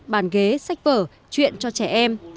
bàn ghế sách vở chuyện cho trẻ em